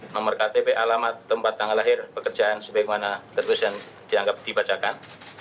nomor ktp alamat tempat tanggal lahir pekerjaan sebaik mana ketujuan dianggap dibacakan